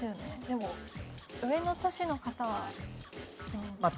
でも上の年の方はどう？